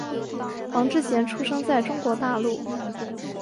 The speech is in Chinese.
黄志贤出生在中国大陆。